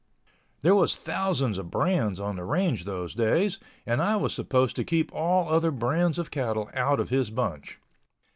There was thousands of brands on the range those days, and I was supposed to keep all other brands of cattle out of his bunch.